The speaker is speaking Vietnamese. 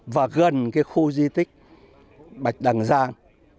và gần cái khu di tích bạch đằng giang